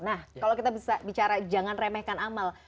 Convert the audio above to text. nah kalau kita bisa bicara jangan remehkan amal